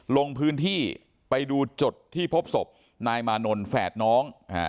ลงพื้นที่ไปดูจุดที่พบศพนายมานนท์แฝดน้อง